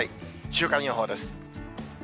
週間予報です。